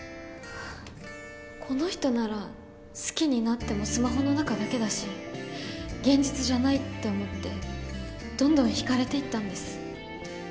この人なら好きになってもスマホの中だけだし現実じゃないって思ってどんどん惹かれていったんです